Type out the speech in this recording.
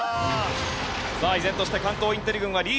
さあ依然として関東インテリ軍はリーチの状態。